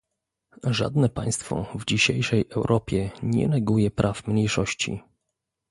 Żadne państwo w dzisiejszej Europie nie neguje praw mniejszości